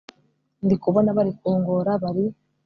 ndikubona bari kungora bari